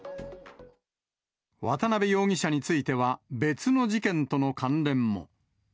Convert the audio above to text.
渡辺容疑者については、別の事件との関連も。